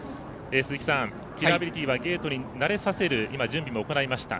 鈴木さん、キラーアビリティはゲートに慣れさせる準備も行いました。